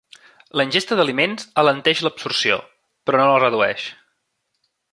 La ingesta d'aliments alenteix l'absorció, però no la redueix.